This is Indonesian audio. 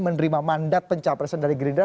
menerima mandat pencapresan dari gerindra